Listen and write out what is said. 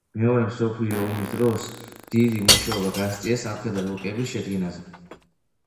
მეორე მსოფლიო ომის დროს დიდი მუშაობა გასწია სამხედრო რუკების შედგენაზე.